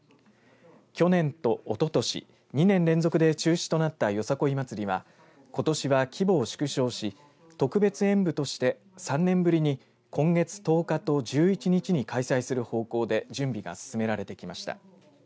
去年と、おととし２年連続で中止となったよさこい祭りはことしは規模を縮小し特別演舞として３年ぶりに今月１０日と１１日に開催する方向で準備が進められてきました。